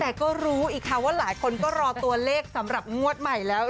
แต่ก็รู้อีกค่ะว่าหลายคนก็รอตัวเลขสำหรับงวดใหม่แล้ว